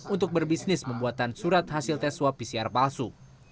untuk berbisnis membuatan surat hasil tes swab pcr palsu